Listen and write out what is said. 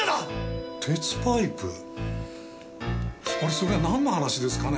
それはなんの話ですかね？